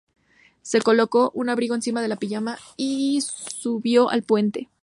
Se colocó un abrigo encima del pijama y subió al puente.